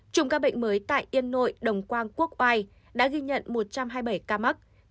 chùm các bệnh mới tại yên nội đồng quang quốc oai đã ghi nhận một trăm hai mươi bảy ca mắc